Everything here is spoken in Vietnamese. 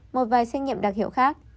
một vài xét nhiệm đặc hiệu khác